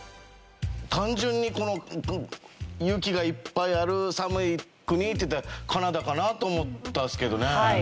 単純にこの雪がいっぱいある寒い国っていうたらカナダかな？と思ったんですけどね。